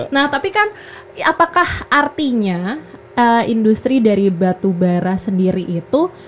nah tapi kan apakah artinya industri dari batubara sendiri itu